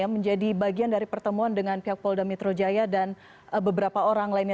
menjadi bagian dari pertemuan dengan pihak polda metro jaya dan beberapa orang lainnya